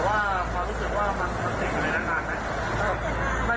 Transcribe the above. ว่าความรู้สึกว่ามันติดอยู่ในนั้นนานไหม